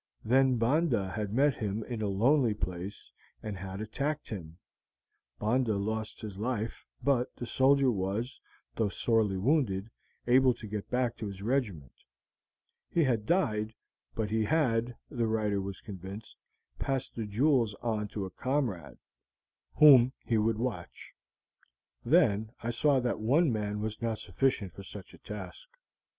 Then Bondah had met him in a lonely place, and had attacked him. Bondah had lost his life, but the soldier was, though sorely wounded, able to get back to his regiment. He had died, but he had, the writer was convinced, passed the jewels on to a comrade, whom he would watch. Then I saw that one man was not sufficient for such a task.